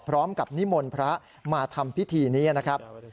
นิมนต์พระมาทำพิธีนี้นะครับ